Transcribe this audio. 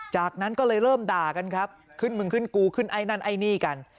จากนั้นก็เลยเริ่มด่ากันครับขึ้นมึงขึ้นกูขึ้นไอ้นั่นไอ้นี่กัน